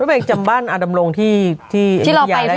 รู้ไหมจำบ้านอดำรงค์ที่ยูทียาได้มั้ย